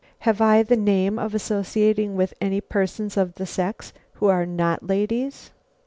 Have I the name of associating with any persons of the sex who are not ladies?"